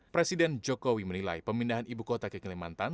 presiden jokowi menilai pemindahan ibu kota ke kalimantan